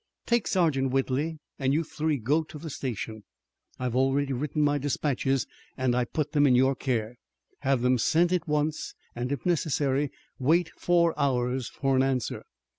Take Sergeant Whitley and you three go to the station. I've already written my dispatches, and I put them in your care. Have them sent at once, and if necessary wait four hours for an answer.